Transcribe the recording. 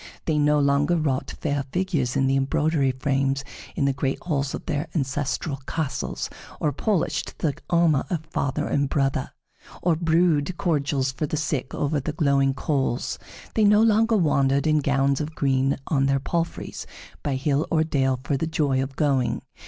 They no longer wrought fair figures in the embroidery frames in the great halls of their ancestral castles, or polished the armor of father and brother, or brewed cordials for the sick over the glowing coals. They no longer wandered in gowns of green on their palfreys by hill or dale for the joy of going.